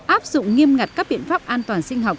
áp dụng nghiêm ngặt các biện pháp an toàn sinh học